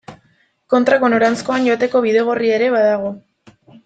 Kontrako noranzkoan joateko bidegorria ere badago.